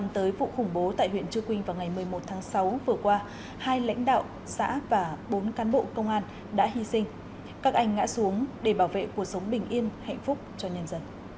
bình yên hạnh phúc cho nhân dân